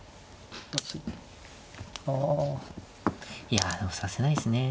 いやでも指せないですね。